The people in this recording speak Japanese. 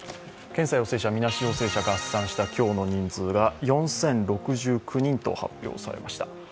検査陽性者、みなし陽性者を合算した今日の人数が４０６９人と発表されました。